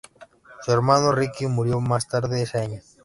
Su hermano Ricky murió más tarde ese año.